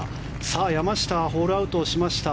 山下、ホールアウトしました。